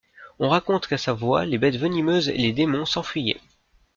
On raconte qu'à sa voix les bêtes venimeuses et les démons s'enfuyaient.